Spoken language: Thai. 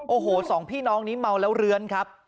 โอ้โหสองพี่น้องนี้เมาแล้วเลื้อนครับ